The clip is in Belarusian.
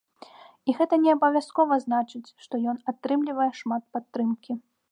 І гэта не абавязкова значыць, што ён атрымлівае шмат падтрымкі.